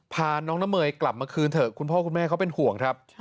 พาน้องน้ำเมยกลับมาคืนเถอะคุณพ่อคุณแม่เขาเป็นห่วงครับ